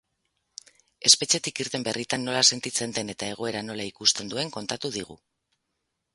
Espetxetik irten berritan nola sentitzen den eta egoera nola ikusten duen kontatu digu.